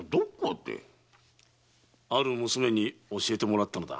ある娘に教えてもらったのだ。